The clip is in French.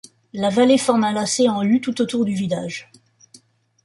La vallée forme un lacet en U tout autour du village.